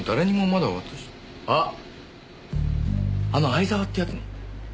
あの相沢って奴の。